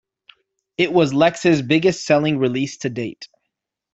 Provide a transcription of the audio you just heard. It was Lex's biggest selling release to date.